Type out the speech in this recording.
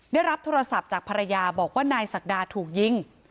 ได้รับโทรศัพท์จากภรรยาบอกว่านายศักดาถูกยิง